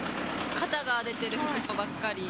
肩が出てる服とかばっかり。